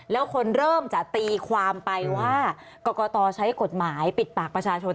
แล้วคนเริ่มจะตีความไปว่ากรกตใช้กฎหมายปิดปากประชาชน